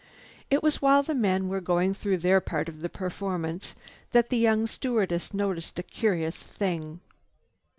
It was while the men were going through their part of the performance that the young stewardess noticed a curious thing.